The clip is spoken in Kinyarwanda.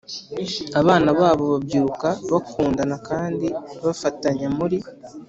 Abana babo babyiruka bakundana kandi bafatanya muri